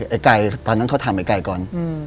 ไอ้ไก่ตอนนั้นเขาถามไอ้ไก่ก่อน